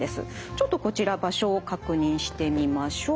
ちょっとこちら場所を確認してみましょう。